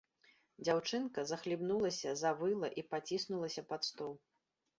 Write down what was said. Дзяўчынка захлібнулася, завыла і паціснулася пад стол.